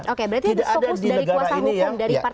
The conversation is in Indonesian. oke berarti di focus dari kuasa hukum dari partai handuk